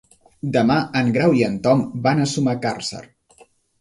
Demà en Grau i en Tom van a Sumacàrcer.